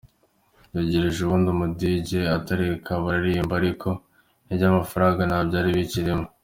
Begereye undi mu dj arabareka bararirimba ariko iby’amafaranga ntabyari bikirimo.